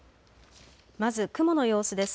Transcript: まず雲の様子です。